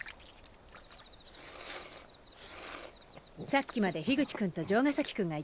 さっきまで樋口君と城ヶ崎君がいたのよ。